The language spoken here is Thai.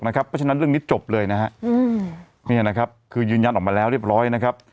เพราะฉะนั้นเรื่องนี้จบเลยคือยืนยันออกมาแล้วเรียบร้อย